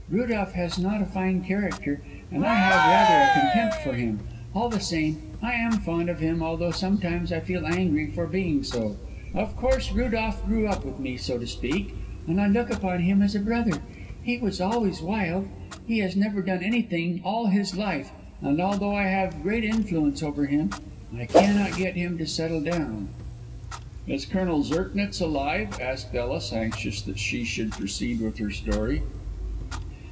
Rudolph has not a fine character, and I have rather a contempt for him. All the same I am fond of him, although sometimes I feel angry for being so. Of course, Rudolph grew up with me, so to speak, and I look upon him as a brother. He was always wild; he has never done anything all his life, and although I have great influence over him I cannot get him to settle down." "Is Colonel Zirknitz alive?" asked Ellis, anxious that she should proceed with her story.